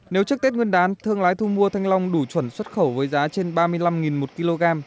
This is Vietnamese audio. nếu trước tết nguyên đán thương lái thu mua thanh long đủ chuẩn xuất khẩu với giá trên ba mươi năm một kg